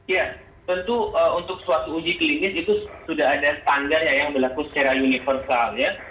ya tentu untuk suatu uji klinis itu